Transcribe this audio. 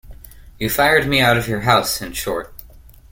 You fired me out of your house, in short.